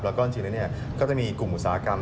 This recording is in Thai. แล้วก็จริงแล้วก็จะมีกลุ่มอุตสาหกรรม